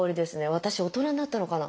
私大人になったのかな？